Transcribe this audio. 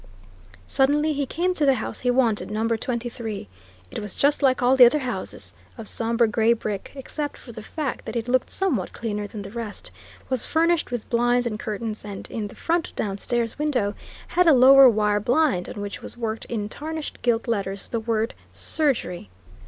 Suddenly he came to the house he wanted Number 23. It was just like all the other houses, of sombre grey brick, except for the fact that it looked somewhat cleaner than the rest, was furnished with blinds and curtains, and in the front downstairs window had a lower wire blind, on which was worked in tarnished gilt letters, the word Surgery.